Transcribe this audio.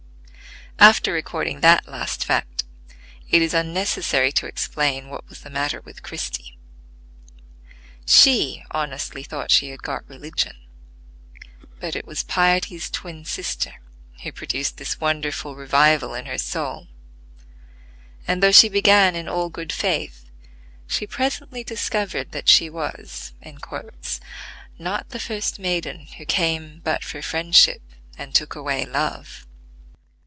After recording that last fact, it is unnecessary to explain what was the matter with Christie. She honestly thought she had got religion; but it was piety's twin sister, who produced this wonderful revival in her soul; and though she began in all good faith she presently discovered that she was "Not the first maiden Who came but for friendship, And took away love."